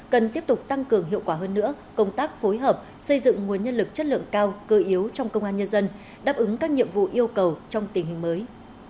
cần tiếp tục tăng cường hiệu quả hơn nữa công tác phối hợp xây dựng nguồn nhân lực chất lượng cao cơ yếu trong công an nhân dân đáp ứng các nhiệm vụ yêu cầu trong tình hình mới